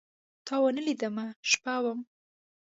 تاونه لیدمه، شپه وم